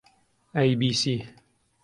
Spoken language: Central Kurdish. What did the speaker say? ئەی بی سی